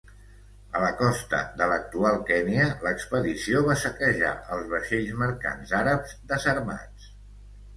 A la costa de l'actual Kenya, l'expedició va saquejar els vaixells mercants àrabs desarmats.